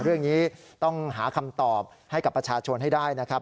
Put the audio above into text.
เรื่องนี้ต้องหาคำตอบให้กับประชาชนให้ได้นะครับ